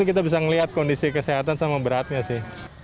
kita bisa melihat kondisi kesehatan sama beratnya sih